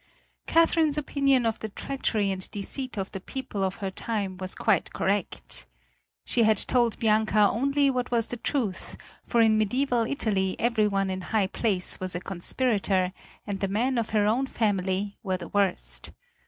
Catherine's opinion of the treachery and deceit of the people of her time was quite correct. She had told Bianca only what was the truth, for in mediæval Italy every one in high place was a conspirator and the men of her own family were the worst.